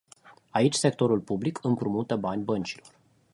Aici sectorul public împrumută bani băncilor.